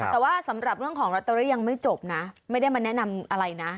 แต่ว่าสำหรับเรื่องของลอตเตอรี่ยังไม่จบนะไม่ได้มาแนะนำอะไรนะ